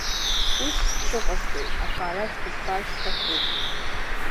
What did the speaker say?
Ус сҽыҟасҵоит, аха арахь дызбар сҭахуп.